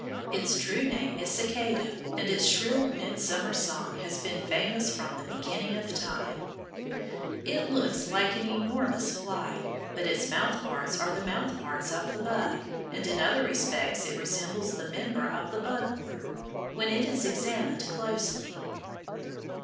Its true name is cicada, and its shrill midsummer song has been famous from the beginning of time. It looks like an enormous fly, but its mouth parts are the mouth parts of the bug, and in other respects it resembles the members of the bug order, when it is examined closely.